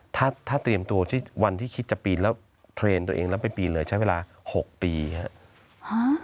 ถ้าถ้าเตรียมตัวที่วันที่คิดจะปีนแล้วเทรนด์ตัวเองแล้วไปปีนเลยใช้เวลา๖ปีครับ